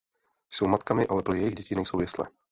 Jsou matkami, ale pro jejich děti nejsou jesle.